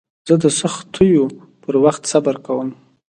زه د سختیو پر وخت صبر کوم.